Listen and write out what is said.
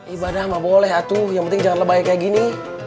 ibadah mah boleh atuh yang penting jangan lebay kayak gini